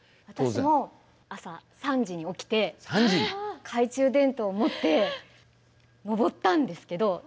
私も朝３時に起きて懐中電灯を持って登ったんですけど。